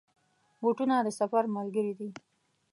بوټونه د سفر ملګري دي.